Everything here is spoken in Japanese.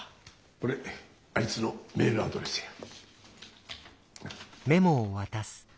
これあいつのメールアドレスや。